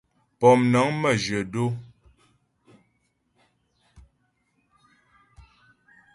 Pómnəŋ məjyə̂ dó.